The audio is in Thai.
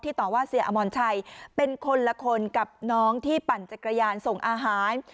ต่อว่าเสียอมรชัยเป็นคนละคนกับน้องที่ปั่นจักรยานส่งอาหาร